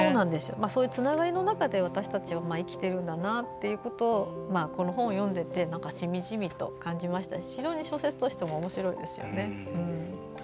そういうつながりの中で私たちは生きてるんだなということをこの本を読んでいてしみじみと感じましたし、非常に小説としてもおもしろいですよね。